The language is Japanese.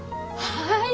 はい！？